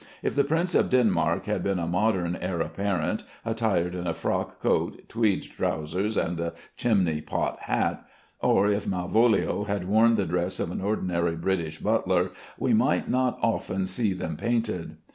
If the Prince of Denmark had been a modern heir apparent, attired in a frock coat, tweed trousers, and a chimney pot hat, or if Malvolio had worn the dress of an ordinary British butler, we should not often see them painted.